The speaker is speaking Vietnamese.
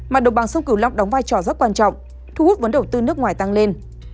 mà độc bằng sông cửu long đóng vai trò rất quan trọng thu hút vấn đồng tư nước ngoài tăng lên